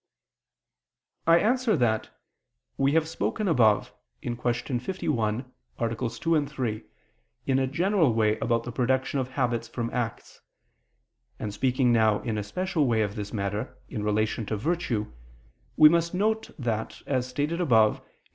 I answer that, We have spoken above (Q. 51, AA. 2, 3) in a general way about the production of habits from acts; and speaking now in a special way of this matter in relation to virtue, we must take note that, as stated above (Q.